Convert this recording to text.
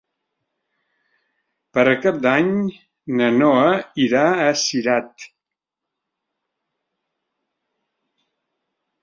Per Cap d'Any na Noa irà a Cirat.